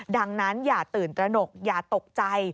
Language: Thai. ดังนั้นอย่าตื่นตระหนกอย่าตกใจ